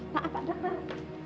maap pak dokter